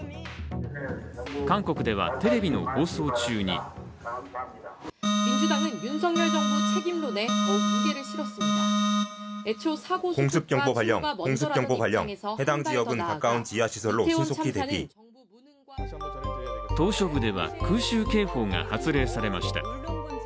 韓国ではテレビの放送中に島しょ部では空襲警報が発令されました。